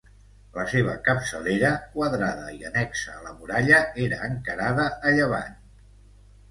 La seva capçalera, quadrada i annexa a la muralla, era encarada a llevant.